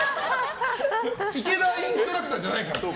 池田インストラクターじゃないから！